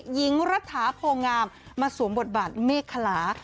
หญิงรัฐาโพงามมาสวมบทบาทเมฆคลา